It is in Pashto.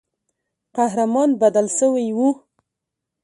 قهرمان بدل سوی وو.